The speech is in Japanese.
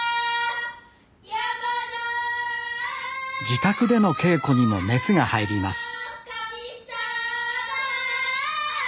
自宅での稽古にも熱が入ります